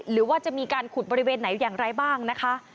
หรือว่าจะมีการขุดบริเวณไหนอย่างไรบ้างนะคะ